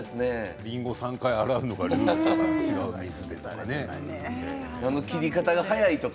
りんごを３回洗うとか。